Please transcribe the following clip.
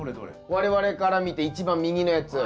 我々から見て一番右のやつ。